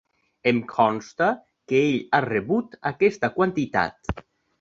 Em consta que ell ha rebut aquesta quantitat.